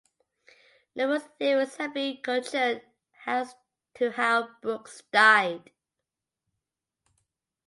Numerous theories have been conjured as to how Brooks died.